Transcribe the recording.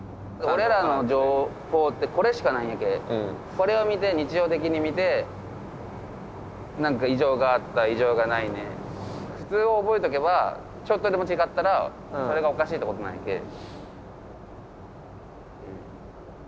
俺らの情報ってこれしかないんやけこれを見て日常的に見て何か異常があった異常がないね普通を覚えとけばちょっとでも違ったらそれがおかしいってことなんやけ。